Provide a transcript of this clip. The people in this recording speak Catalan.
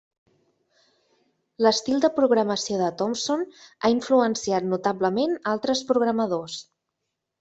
L'estil de programació de Thompson ha influenciat notablement altres programadors.